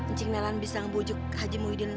ncing nalan bisa ngebujuk haji muhyiddin